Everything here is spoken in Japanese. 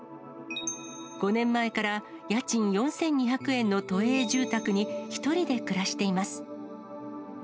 ５年前から家賃４２００円の都営住宅に１人で暮らしています。